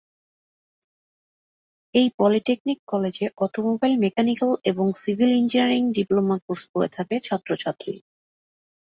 এই পলিটেকনিক কলেজে automobile, mechanical এবং সিভিল ইঞ্জিনিয়ারিং ডিপ্লোমা কোর্স করে থাকে ছাত্র ছাত্রী।